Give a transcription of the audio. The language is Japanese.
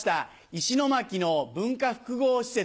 石巻の文化複合施設